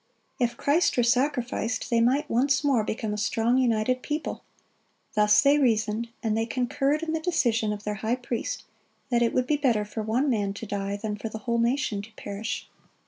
(35) If Christ were sacrificed, they might once more become a strong, united people. Thus they reasoned, and they concurred in the decision of their high priest, that it would be better for one man to die than for the whole nation to perish.